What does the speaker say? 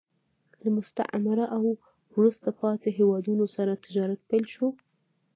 له مستعمره او وروسته پاتې هېوادونو سره تجارت پیل شو